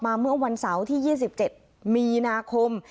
เมื่อวันเสาร์ที่๒๗มีนาคม